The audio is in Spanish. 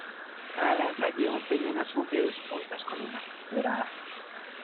Cada lanza lleva un peñón azul de dos puntas con una cruz dorada.